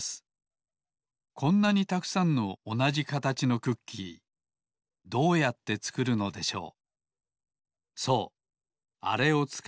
こんなにたくさんのおなじかたちのクッキーどうやってつくるのでしょう。